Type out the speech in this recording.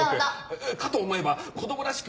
かと思えば子供らしく